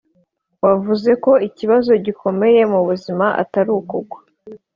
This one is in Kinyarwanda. wavuze ko ikibazo gikomeye mu buzima atari ukugwa